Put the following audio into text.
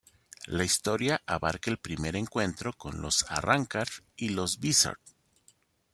La historia abarca el primer encuentro con los Arrancar y los Vizard.